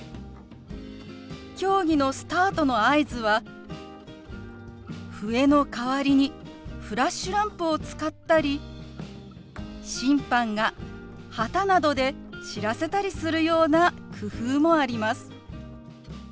競技のスタートの合図は笛の代わりにフラッシュランプを使ったり審判が旗などで知らせたりするような工夫もあります。